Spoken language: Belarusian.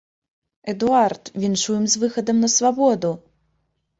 Эдуард, віншуем з выхадам на свабоду!